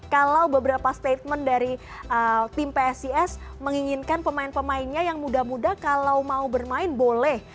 kalau beberapa statement dari tim psis menginginkan pemain pemainnya yang muda muda kalau mau bermain boleh